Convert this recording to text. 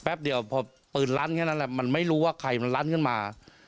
เดียวพอปืนลั้นแค่นั้นแหละมันไม่รู้ว่าใครมันลั้นขึ้นมา